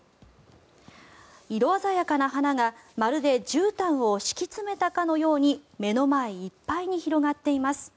色鮮やかな花がまるでじゅうたんを敷き詰めたかのように目の前いっぱいに広がっています。